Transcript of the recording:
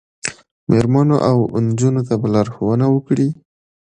میرمنو او نجونو ته به لارښوونه وکړي